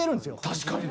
確かに。